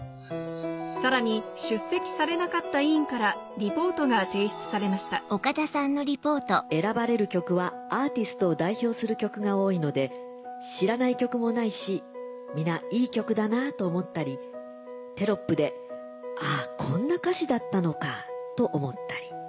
さらに出席されなかった委員からリポートが提出されました「選ばれる曲はアーティストを代表する曲が多いので知らない曲もないしみないい曲だなと思ったりテロップで『あぁこんな歌詞だったのか』と思ったり。